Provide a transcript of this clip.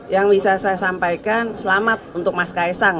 yang bisa saya sampaikan selamat untuk mas kaisang